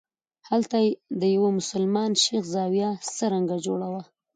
هلته د یوه مسلمان شیخ زاویه څرنګه جوړه وه.